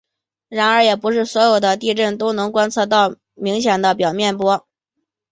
然而也不是所有地震都能观测到明显的表面波。